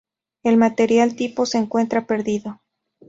El material tipo se encuentra perdido.